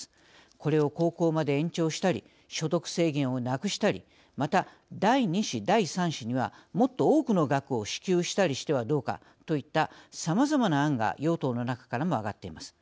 これを高校まで延長したり所得制限をなくしたりまた第２子第３子にはもっと多くの額を支給したりしてはどうかといったさまざまな案が与党の中からも上がっています。